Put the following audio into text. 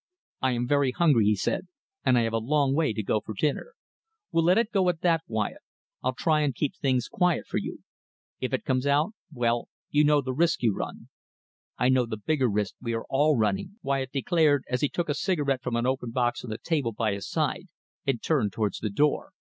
"I am very hungry," he said, "and I have a long way to go for dinner. We'll let it go at that, Wyatt. I'll try and keep things quiet for you. If it comes out, well, you know the risk you run." "I know the bigger risk we are all running," Wyatt declared, as he took a cigarette from an open box on the table by his side and turned towards the door.